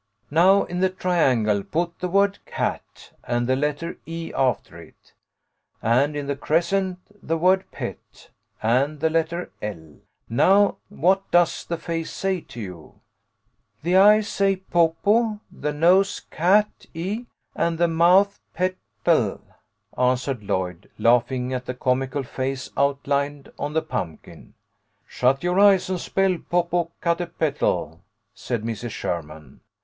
Now in the triangle put the word CAT and the letter E after it, and in the crescent the word PET and the letter L. Now what does the face say to you ?"" The eyes say popo, the nose cat e and the 144 TaE LITTLE COLONEL'S HOLIDAYS. mouth pet 1," answered Lloyd, laughing at the comical face outlined on the pumpkin. "Shut your eyes and spell Popocatepetl," said Mrs. Sherman.